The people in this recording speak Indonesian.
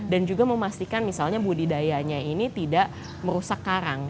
dan juga memastikan misalnya budidayanya ini tidak merusak karang